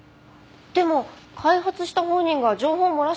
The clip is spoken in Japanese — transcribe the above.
でも開発した本人が情報を漏らしたりします？